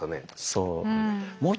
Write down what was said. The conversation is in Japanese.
そう。